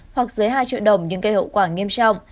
hoặc dưới hai triệu đồng nhưng gây hậu quả nghiêm trọng